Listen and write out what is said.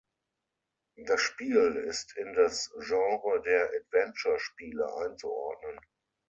Das Spiel ist in das Genre der Adventurespiele einzuordnen.